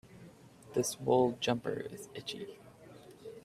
This wool jumper is itchy.